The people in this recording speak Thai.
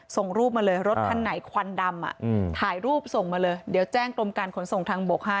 ส่งรูปมาเลยรถคันไหนควันดำถ่ายรูปส่งมาเลยเดี๋ยวแจ้งกรมการขนส่งทางบก๕